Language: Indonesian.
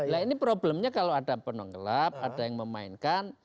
nah ini problemnya kalau ada penumpang gelap ada yang memainkan